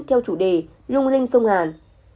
theo chủ đề lung linh sông hàn